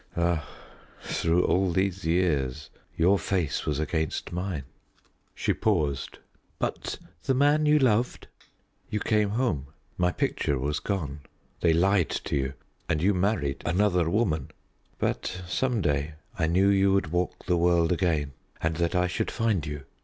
Ah, through all these years your face was against mine." She paused. "But the man you loved?" "You came home. My picture was gone. They lied to you, and you married another woman; but some day I knew you would walk the world again and that I should find you."